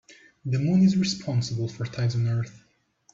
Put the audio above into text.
The moon is responsible for tides on earth.